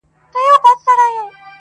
او په هر څه پوهېږي